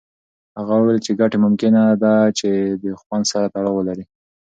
هغه وویل چې ګټې ممکنه ده چې د خوند سره تړاو ولري.